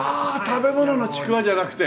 食べ物のちくわじゃなくて。